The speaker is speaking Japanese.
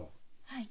はい。